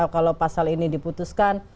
kalau pasal ini diputuskan